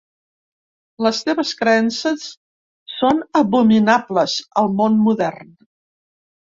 Les seves creences són abominables al món modern.